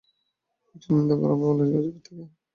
এটি নিয়ন্ত্রণ করা হবে বাংলাদেশের গাজীপুর থেকে।